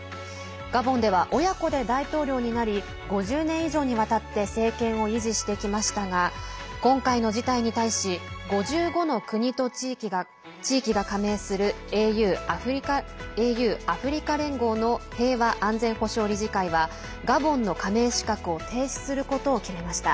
ガボンでは親子で大統領になり５０年以上にわたって政権を維持してきましたが今回の事態に対し５５の国と地域が加盟するＡＵ＝アフリカ連合の平和・安全保障理事会はガボンの加盟資格を停止することを決めました。